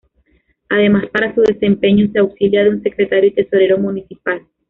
Además para su desempeño se auxilia de un Secretario y Tesorero Municipal.